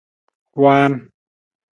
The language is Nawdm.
Waan.